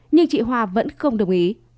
nhưng chị hoà vẫn không đồng ý